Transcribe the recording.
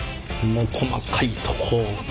もう細かいとこをねっ。